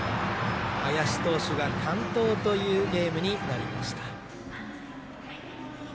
林投手が完投というゲームになりました。